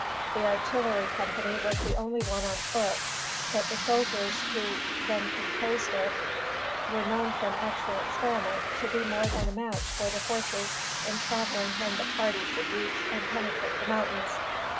The artillery company was the only one on foot; but the soldiers who then composed it were known from actual experiment to be more than a match for the horses in traveling when the party should reach and penetrate the mountains.